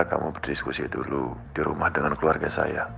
kamu berdiskusi dulu di rumah dengan keluarga saya